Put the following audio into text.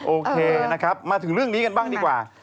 โอเคนะครับมาถึงเรื่องนี้กันบ้างดีกว่า